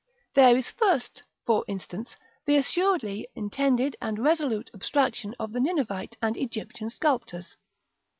There is first, for instance, the assuredly intended and resolute abstraction of the Ninevite and Egyptian sculptors.